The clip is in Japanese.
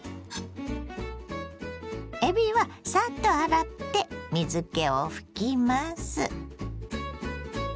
えびはサッと洗って水けを拭きます。